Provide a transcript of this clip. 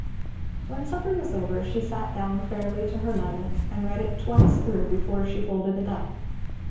When supper was over she sat down fairly to her letter, and read it twice through before she folded it up.